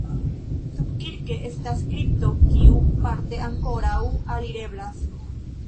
Subkirke estas kripto kiu parte ankoraŭ alireblas.